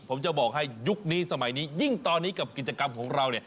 ผมจะบอกให้ยุคนี้สมัยนี้ยิ่งตอนนี้กับกิจกรรมของเราเนี่ย